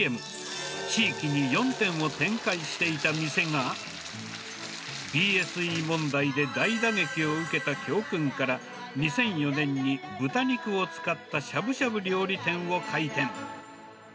地域に４店を展開していた店が、ＢＳＥ問題で大打撃を受けた教訓から、２００４年に豚肉を使ったしゃぶしゃぶ料理店を開店。